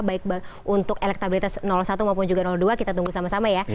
baik untuk elektabilitas satu maupun juga dua kita tunggu sama sama ya